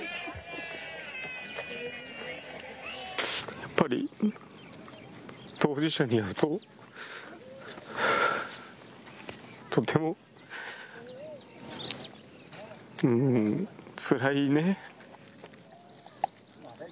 やっぱり当事者にはとてもつらいね。